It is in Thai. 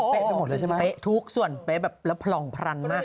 มันเพะออกหมดแล้วใช่ไหมถูกส่วนภล่องพลันมาก